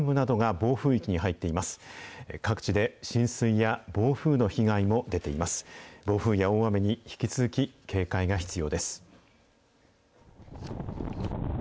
暴風や大雨に引き続き警戒が必要